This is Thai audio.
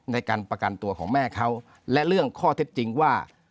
ในการประกันตัวของแม่เขาและเรื่องข้อเท็จจริงว่า